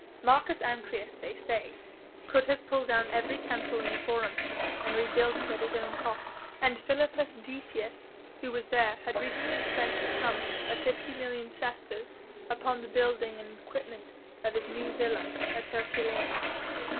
Marcus Ancyrus, they say, could have pulled down every temple in the Forum and rebuilt it at his own cost, and Philippus Decius who was there had recently spent the sum of fifty million sesterces upon the building and equipment of his new villa at Herculaneum.